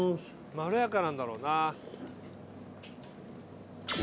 まろやかなんだろうな。